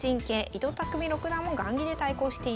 伊藤匠六段も雁木で対抗しています。